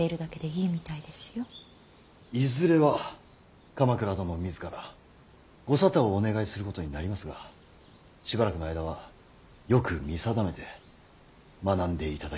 いずれは鎌倉殿自らご沙汰をお願いすることになりますがしばらくの間はよく見定めて学んでいただきたいと存じます。